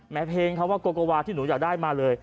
เพลงคำว่าโกโกวาที่หนูอยากได้มาเลย